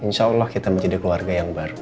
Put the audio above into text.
insya allah kita menjadi keluarga yang baru